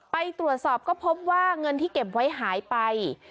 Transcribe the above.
ไปตรวจสอบก็พบว่าเงินที่เก็บไว้หายไป